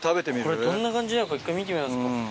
どんな感じなのか一回見てみますか。